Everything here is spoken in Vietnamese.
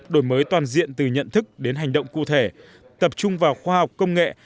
đổi mới toàn diện từ nhận thức đến hành động cụ thể tập trung vào khoa học công nghệ